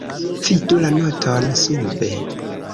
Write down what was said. Vidu la noton sube.